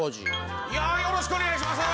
いやぁよろしくお願いします。